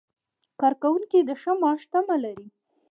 کارکوونکي د ښه معاش تمه لري.